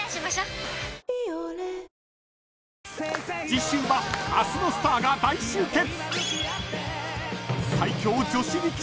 ［次週は明日のスターが大集結］